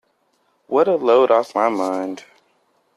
What a load off my mind!